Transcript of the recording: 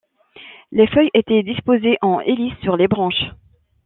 Les feuilles étaient disposées en hélice sur les branches.